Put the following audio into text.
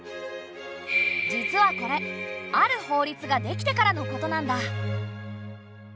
実はこれある法律ができてからのことなんだ。